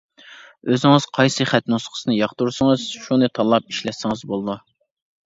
ئۆزىڭىز قايسى خەت نۇسخىسىنى ياقتۇرسىڭىز شۇنى تاللاپ ئىشلەتسىڭىز بولىدۇ.